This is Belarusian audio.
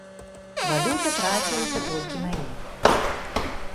Валюта трацілася толькі на іх.